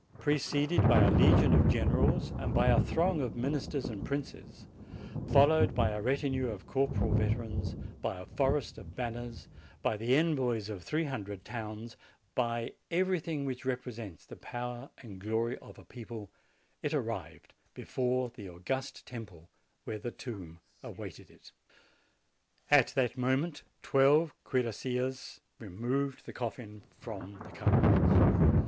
Preceded by a legion of generals and by a throng of ministers and princes, followed by a retinue of corporal veterans, by a forest of banners, by the envoys of three hundred towns, by everything which represents the power and glory of a people, it arrived before the august temple where the tomb awaited it. "At that moment twelve cuirassiers removed the coffin from the car.